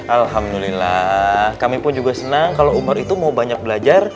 alhamdulillah kami pun juga senang kalau umur itu mau banyak belajar